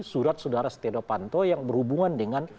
surat sudara setedo panto yang berhubungan dengan